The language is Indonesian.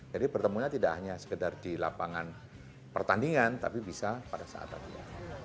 jadi bertemunya tidak hanya sekedar di lapangan pertandingan tapi bisa pada saat saatnya